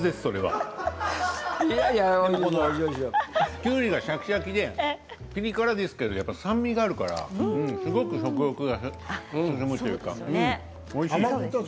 笑い声きゅうりがシャキシャキでピリ辛ですが酸味があるからすごい食欲が湧くというか。